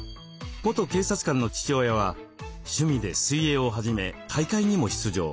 元警察官の父親は趣味で水泳を始め大会にも出場。